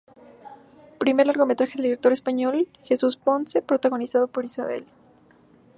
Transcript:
Primer largometraje del director español Jesús Ponce, protagonizado por Isabel Ampudia y Sebastián Haro.